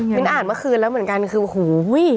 มิ้นอ่านเมื่อคืนแล้วเหมือนกันคือโอ้โห